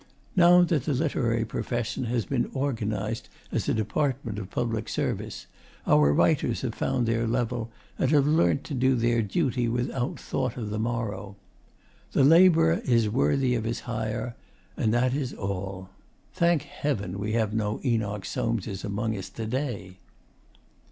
Nou that the littreri profeshn haz bin auganized az a departmnt of publik servis, our riters hav found their levvl an hav lernt ter doo their duti without thort ov th morro. "Th laibrer iz werthi ov hiz hire," an that iz aul. Thank hevvn we hav no Enoch Soameses amung us to dai!